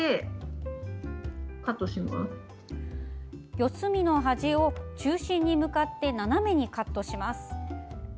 四隅の端を中心に向かって斜めにカットします。